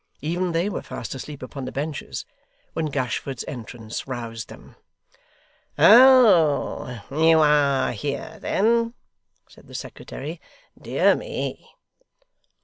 Even they were fast asleep upon the benches, when Gashford's entrance roused them. 'Oh! you ARE here then?' said the Secretary. 'Dear me!